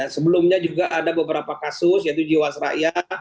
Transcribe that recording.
sebelumnya juga ada beberapa kasus yaitu jiwasraya